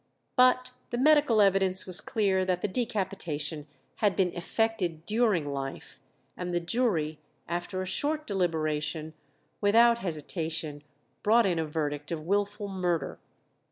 But the medical evidence was clear that the decapitation had been effected during life, and the jury, after a short deliberation, without hesitation brought in a verdict of wilful murder.